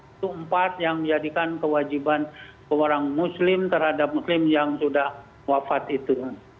itu empat yang menjadikan kewajiban orang muslim terhadap muslim yang sudah wafat itu